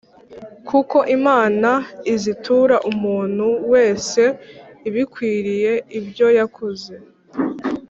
kuko Imana izitura umuntu wese ibikwiriye ibyo yakoze.